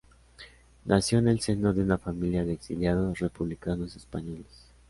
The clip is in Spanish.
Nació en el seno de una familia de exiliados republicanos españoles.